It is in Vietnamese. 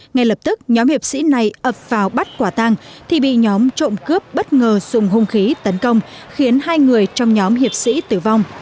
ngay lập tức nhóm hiệp sĩ này ập vào bắt quả tăng thì bị nhóm trộm cướp bất ngờ dùng hung khí tấn công khiến hai người trong nhóm hiệp sĩ tử vong